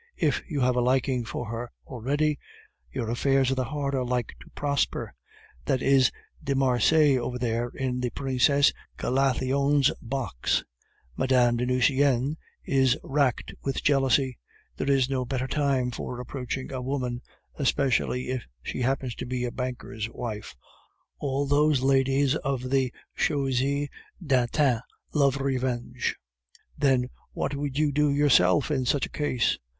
"If you have a liking for her already, your affairs of the heart are like to prosper. That is de Marsay over there in the Princesse Galathionne's box. Mme. de Nucingen is racked with jealousy. There is no better time for approaching a woman, especially if she happens to be a banker's wife. All those ladies of the Chaussee d'Antin love revenge." "Then, what would you do yourself in such a case?"